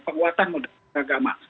kekuatan moderasi beragama